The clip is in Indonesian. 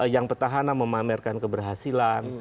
yang pertahanan memamerkan keberhasilan